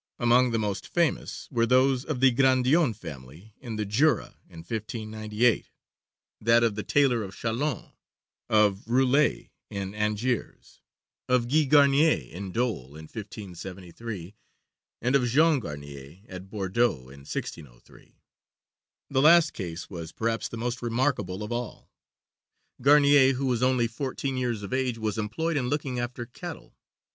Among the most famous were those of the Grandillon family in the Jura, in 1598; that of the tailor of Châlons; of Roulet, in Angers; of Gilles Garnier, in Dôle, in 1573; and of Jean Garnier, at Bordeaux, in 1603. The last case was, perhaps, the most remarkable of all. Garnier, who was only fourteen years of age, was employed in looking after cattle.